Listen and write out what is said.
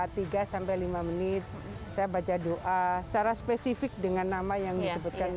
tiga sampai lima menit saya baca doa secara spesifik dengan nama yang disebutkan